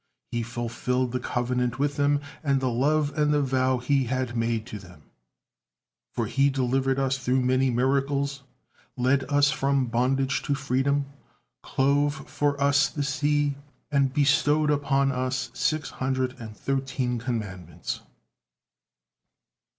He fulfilled the covenant with them, and the love and the vow He had made them, for He delivered us through many miracles, led us from bondage to freedom, clove for us the sea, and bestowed upon us six hundred and thirteen commandments."